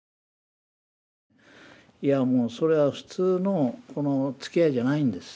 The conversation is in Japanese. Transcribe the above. いやもうそれは普通のつきあいじゃないんです。